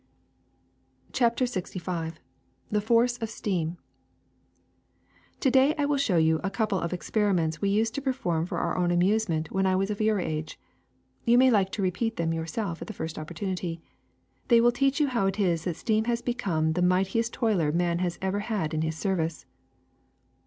'' il CHAPTER LXV THE FORCE OF STEAM TO DAY I will show you a couple of experimentg we used to perform for our own amusement when I was of your age. You may like to repeat them yourselves at the first opportunity. They will teach you how it is that steam has become the might iest toiler man has ever had in his service.